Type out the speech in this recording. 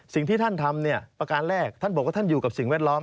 สิ่งที่ท่านทำเนี่ยประการแรกท่านบอกว่าท่านอยู่กับสิ่งแวดล้อม